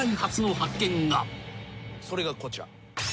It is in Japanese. それがこちら。